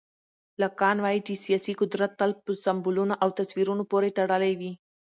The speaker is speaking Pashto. لاکان وایي چې سیاسي قدرت تل په سمبولونو او تصویرونو پورې تړلی وي.